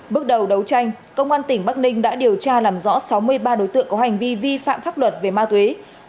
bước đầu đấu tranh công an tỉnh bắc ninh đã điều tra làm rõ sáu mươi ba đối tượng có hành vi vi phạm pháp luật về ma túy